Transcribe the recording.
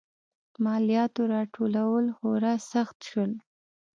مالیاتو راټولول خورا سخت شول.